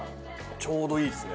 ちょうどいいですね。